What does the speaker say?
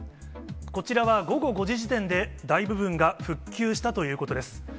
こちらは午後５時時点で、大部分が復旧したということです。